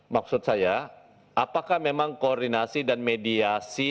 maksud saya apakah memang koordinasi dan mediasi